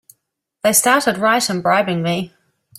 They started right in bribing me!